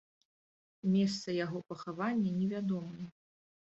Месца яго пахавання невядомае.